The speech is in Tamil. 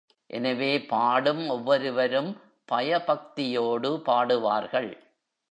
எனவே பாடும் ஒவ்வொருவரும் பய பக்தியோடு பாடுவார்கள்.